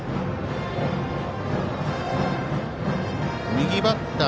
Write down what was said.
右バッター